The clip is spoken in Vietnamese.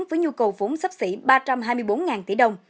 với nhu cầu vốn sắp xỉ ba trăm hai mươi bốn tỷ đồng